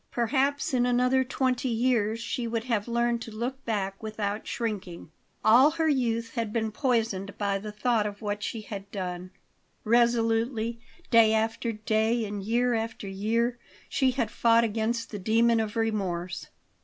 Perhaps in another twenty years she would have learned to look back without shrinking. All her youth had been poisoned by the thought of what she had done. Resolutely, day after day and year after year, she had fought against the demon of remorse.